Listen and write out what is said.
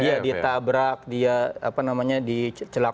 iya di tabrak dia apa namanya dicobot